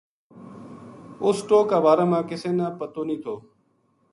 اُس ٹوہ کا بارہ ما کسے نا پتو نیہہ تھو